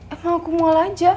emang aku mual aja